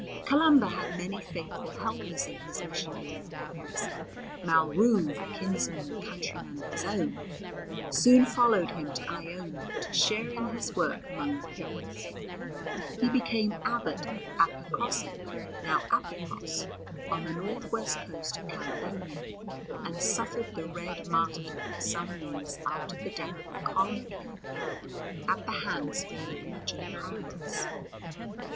Columba had many faithful helpers in his missionary labours. Malruve, a kinsman and countryman of his own, soon followed him to Iona to share in his work among the Picts. He became abbot of Appercrossan, now Applecross, on the north west coast of Caledonia, and suffered the "red martyrdom" some years after the death of Columbcille, at the hands of Norwegian pirates.